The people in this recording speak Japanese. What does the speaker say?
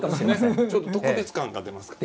そうですねちょっと特別感が出ますから。